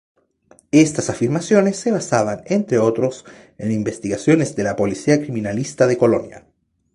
Estas afirmaciones se basaban, entre otros, en investigaciones de la policía criminalista de Colonia.